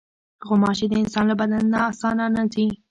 غوماشې د انسان له بدن نه اسانه نه ځي.